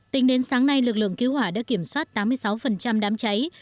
tính đến sáng nay lực lượng cứu hỏa đã kiểm soát tám mươi sáu đám cháy